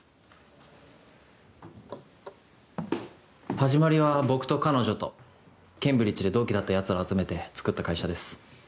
始まりは僕と彼女とケンブリッジで同期だったヤツらを集めてつくった会社です。